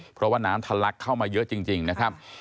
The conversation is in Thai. เพราะว่าน้ำทะลักเข้ามาเยอะจริงนะครับ